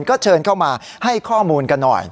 ก็เชิญเข้ามาให้ข้อมูลกันหน่อย